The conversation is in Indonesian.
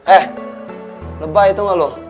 eh lebay itu gak lo